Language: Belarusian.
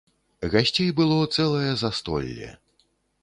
Гасцей было цэлае застолле.